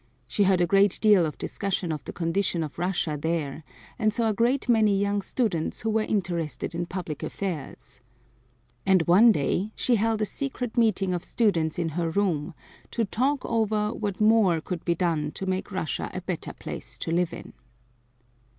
She heard a great deal of discussion of the condition of Russia there and saw a great many young students who were interested in public affairs. And one day she held a secret meeting of students in her room to talk over what more could be done to make Russia a better place to live in.